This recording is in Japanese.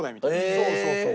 そうそうそう。